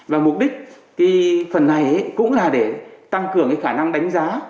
và mục đích phần này cũng là để tăng cường khả năng đánh giá